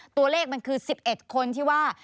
ตัวเลขมันคือ๑๑คนที่ว่า